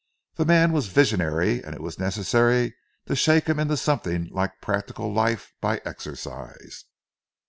The man was visionary and it was necessary to shake him into something like practical life by exercise.